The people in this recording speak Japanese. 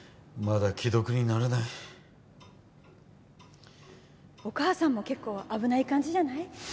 まだ既読にならない・お母さんも結構危ない感じじゃない？